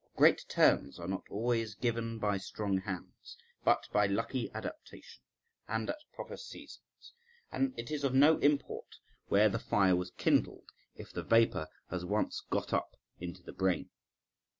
For great turns are not always given by strong hands, but by lucky adaptation and at proper seasons, and it is of no import where the fire was kindled if the vapour has once got up into the brain.